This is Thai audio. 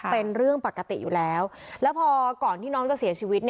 เป็นเรื่องปกติอยู่แล้วแล้วพอก่อนที่น้องจะเสียชีวิต